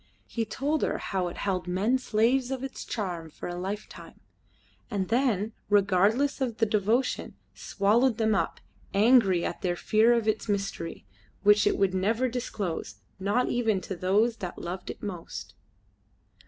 He told her how it held men slaves of its charm for a lifetime, and then, regardless of their devotion, swallowed them up, angry at their fear of its mystery, which it would never disclose, not even to those that loved it most.